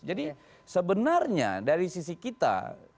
jadi sebenarnya dari sisi kita